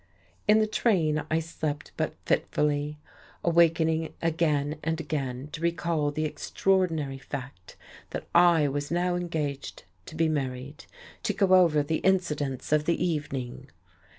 In the train I slept but fitfully, awakening again and again to recall the extraordinary fact that I was now engaged to be married, to go over the incidents of the evening.